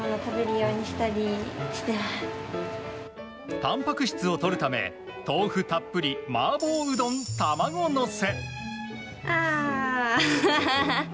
たんぱく質をとるため豆腐たっぷり麻婆うどんたまごのせ。